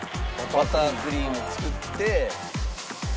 バタークリーム作って。